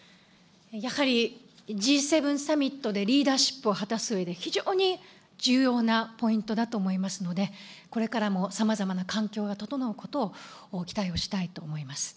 やはりＧ７サミットでリーダーシップを果たすうえで非常に重要なポイントだと思いますので、これからもさまざまな環境が整うことを期待をしたいと思います。